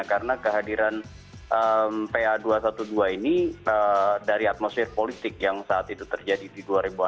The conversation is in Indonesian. karena kehadiran pa dua ratus dua belas ini dari atmosfer politik yang saat itu terjadi di dua ribu enam belas